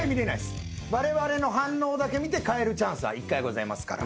われわれの反応だけ見て変えるチャンスは１回ございますから。